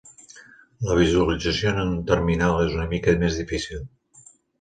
La visualització en un terminal és una mica més difícil.